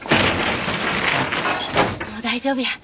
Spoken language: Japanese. もう大丈夫や。